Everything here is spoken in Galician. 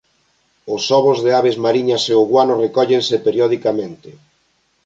Os ovos de aves mariñas e o guano recóllense periodicamente.